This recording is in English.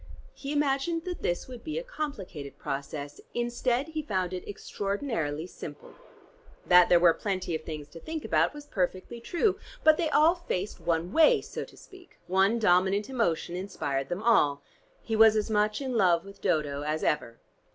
He imagined that this would be a complicated process; instead he found it extraordinarily simple. That there were plenty of things to think about was perfectly true, but they all faced one way, so to speak, one dominant emotion inspired them all. He was as much in love with Dodo as ever.